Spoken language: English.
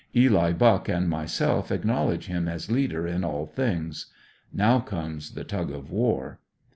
Eli Buck and myself acknowledge him as leader in all ihings. Now comes the tug of war.